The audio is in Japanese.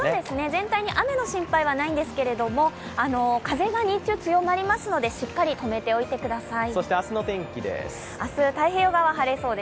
全体に雨の心配はないんですけれども、風が日中は強まりますのでしっかり、とめておいてください。